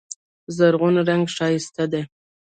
زرغون رنګ ښایسته دی.